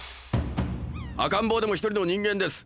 赤ん坊でも一人の人間です！